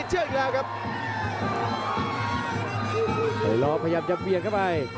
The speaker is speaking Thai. จริงลาบพยายามจะเปลี่ยนเข้าไป